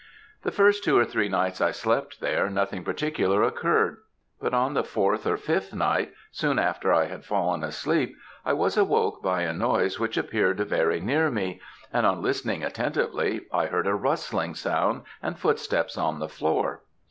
"The first two or three nights I slept there, nothing particular occurred; but on the fourth or fifth night, soon after I had fallen asleep, I was awoke by a noise which appeared very near me, and on listening attentively, I heard a rustling sound, and footsteps on the floor.